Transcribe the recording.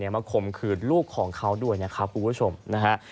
ข่มขืนลูกของเขาด้วยนะครับคุณผู้ชมนะฮะ